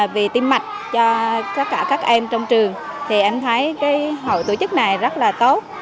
về tim mạch cho các em trong trường thì em thấy hội tổ chức này rất là tốt